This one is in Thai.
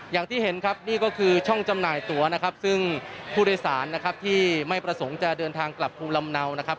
อย่างที่เห็นครับนี่ก็คือช่องจำหน่ายตัวนะครับซึ่งผู้โดยสารนะครับที่ไม่ประสงค์จะเดินทางกลับภูมิลำเนานะครับ